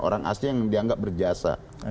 orang asli yang dianggap berjasa